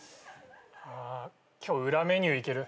あ今日裏メニューいける？